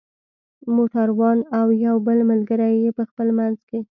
موټر وان او یو بل ملګری یې په خپل منځ کې.